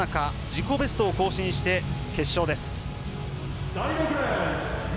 自己ベストを更新して決勝です。